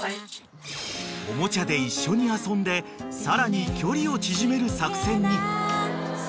［おもちゃで一緒に遊んでさらに距離を縮める作戦に］